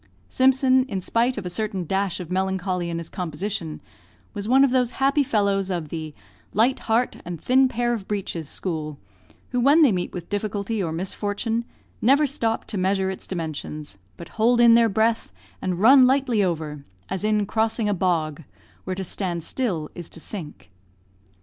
Simpson, in spite of a certain dash of melancholy in his composition, was one of those happy fellows of the "light heart and thin pair of breeches" school, who, when they meet with difficulty or misfortune, never stop to measure its dimensions, but hold in their breath, and run lightly over, as in crossing a bog, where to stand still is to sink.